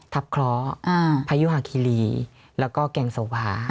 ทับค้าพายุหาคิรีและก็แก่งโสภา